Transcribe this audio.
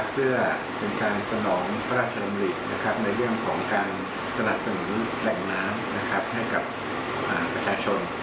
เพื่อเป็นการสนองพระราชดำริในเรื่องของการสนับสนุนแหล่งน้ำให้กับประชาชน